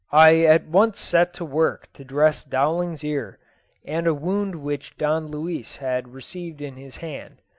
I at once set to work to dress Dowling's ear, and a wound which Don Luis had received in his hand.